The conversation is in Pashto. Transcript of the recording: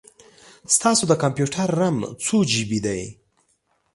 ستاسو د کمپیوټر رم څو جې بې دی؟